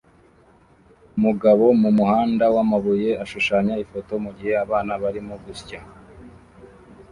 Umugabo mumuhanda wamabuye ashushanya ifoto mugihe abana barimo gusya